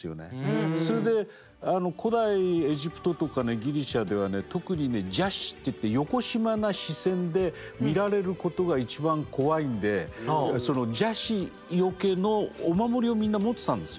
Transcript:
それで古代エジプトとかギリシャでは特にね邪視といってよこしまな視線で見られることが一番怖いんで邪視よけのお守りをみんな持ってたんですよ。